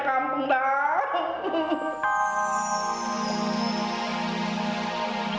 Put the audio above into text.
mau pulang aja kampung dah